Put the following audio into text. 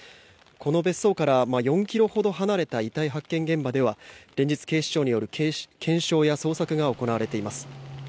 この別荘から４ｋｍほど離れた遺体発見現場では連日、警視庁による検証や捜索が行われています。